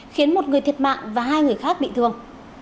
khiến một người thiệt mạng và hai người khác bị thương